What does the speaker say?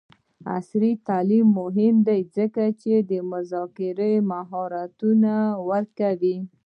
عصري تعلیم مهم دی ځکه چې د مذاکرې مهارتونه ورکوي.